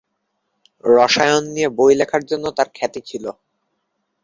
রসায়ন নিয়ে বই লেখার জন্য তার খ্যাতি ছিল।